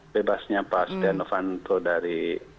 bebasnya pak stiano fanto dari